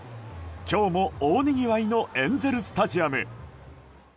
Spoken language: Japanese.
今日も大にぎわいのエンゼル・スタジアム。